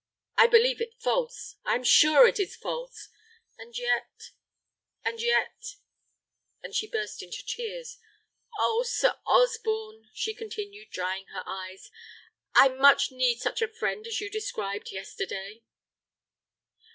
I believe it false! I am sure it is false! And yet, and yet " and she burst into tears. "Oh, Sir Osborne!" she continued, drying her eyes, "I much need such a friend as you described yesterday."